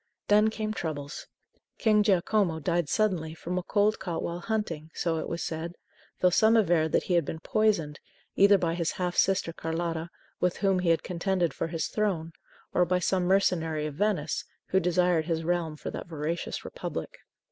Then came troubles. King Giacomo died suddenly from a cold caught while hunting, so it was said; though some averred that he had been poisoned, either by his half sister Carlotta, with whom he had contended for his throne, or by some mercenary of Venice, who desired his realm for that voracious Republic.